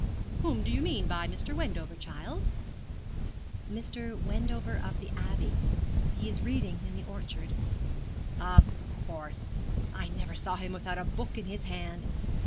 'Whom do you mean by Mr. Wendover, child?' 'Mr. Wendover of the Abbey. He is reading in the orchard.' 'Of course, I never saw him without a book in his hand.